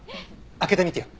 開けてみてよ。